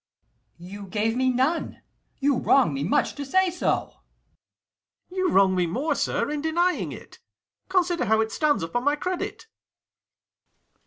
_ You gave me none: you wrong me much to say so. Ang. You wrong me more, sir, in denying it: Consider how it stands upon my credit.